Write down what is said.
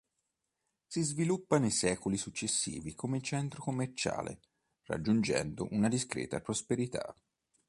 Si sviluppa nei secoli successivi come centro commerciale raggiungendo una discreta prosperità.